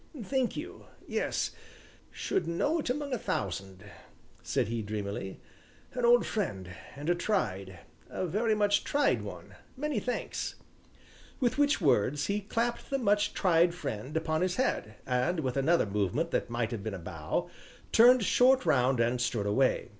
"Thank you yes should know it among a thousand," said he dreamily, "an old friend and a tried a very much tried one many thanks." With which words he clapped the much tried friend upon his head, and with another movement that might have been a bow, turned short round and strode away.